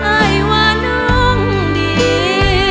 ไอว่าน้องดี